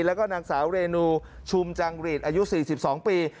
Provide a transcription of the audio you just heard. แล้วก็นางสาวเรนูชุมจังหรีดอายุ๔๒ปี